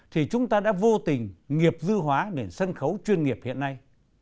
thì chúng ta đã vô tình nghiệp dư hóa nền sân khấu chuyên nghiệp hiện nay